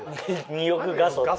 ２億画素って。